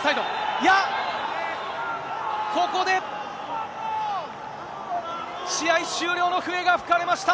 いや、ここで、試合終了の笛が吹かれました。